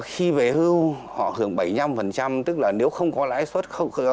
khi về hưu họ hưởng bảy mươi năm tức là nếu không có lãi suất